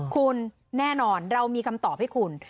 คุณแน่นอนเรามีคำตอบให้คุณ